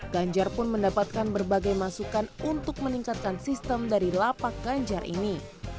ganjar pun mendapatkan berbagai masukan untuk meningkatkan sistem dari lapak ganjar ini